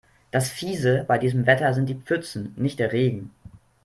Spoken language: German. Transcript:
Das Fiese bei diesem Wetter sind die Pfützen, nicht der Regen.